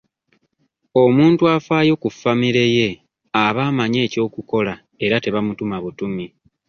Omuntu afaayo ku famire ye aba amanyi eky'okukola era tebamutuma butumi.